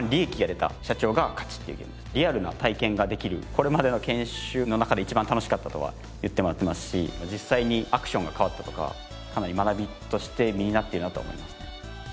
これまでの研修の中で一番楽しかったとは言ってもらってますし実際にアクションが変わったとかかなり学びとして身になってるなと思います。